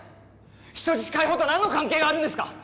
人質解放と何の関係があるんですか！